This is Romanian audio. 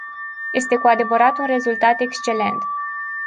Este cu adevărat un rezultat excelent.